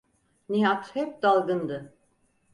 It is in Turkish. Nihat hep dalgındı.